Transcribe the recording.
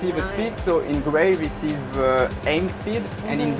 jadi ini adalah tempat kita sekarang